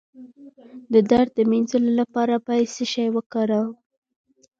د درد د مینځلو لپاره باید څه شی وکاروم؟